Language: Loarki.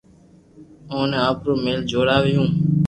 اوني آپرو مھل جوراويو